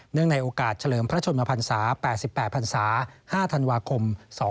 เนื่องในโอกาสเฉลิมพระชนมภัณษา๘๘ศหาธวาคม๒๕๕๘